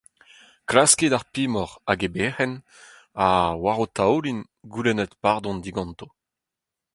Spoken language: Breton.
Klaskit ar pemoc’h hag e berc’henn ha, war ho taoulin, goulennit pardon diganto !